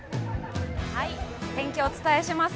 天気をお伝えします。